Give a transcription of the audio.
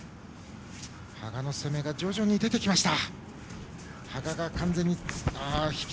羽賀の攻めが徐々に出てきました。